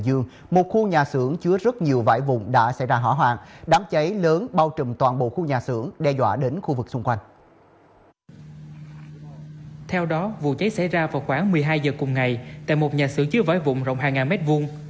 vụ cháy xảy ra vào khoảng một mươi hai giờ cùng ngày tại một nhà xưởng chứa vái vụn rộng hàng ngàn mét vuông